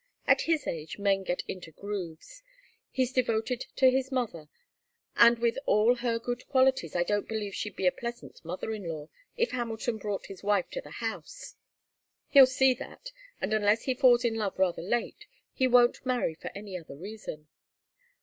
At his age men get into grooves. He's devoted to his mother, and with all her good qualities I don't believe she'd be a pleasant mother in law, if Hamilton brought his wife to the house. He'll see that, and unless he falls in love rather late, he won't marry for any other reason.